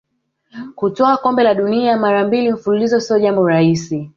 kutwaa kombe la dunia mara mbili mfululizo sio jambo rahisi